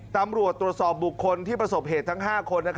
ตำรวจตรวจสอบบุคคลที่ประสบเหตุทั้ง๕คน